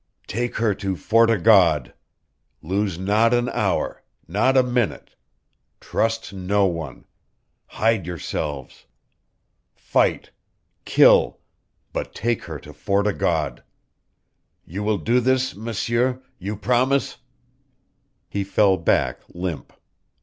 "Take her to Fort o' God. Lose not an hour not a minute. Trust no one. Hide yourselves. Fight kill but take her to Fort o' God! You will do this M'sieur you promise " He fell back limp.